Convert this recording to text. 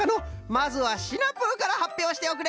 まずはシナプーからはっぴょうしておくれ。